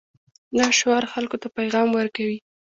دا شعار خلکو ته پیغام ورکوي.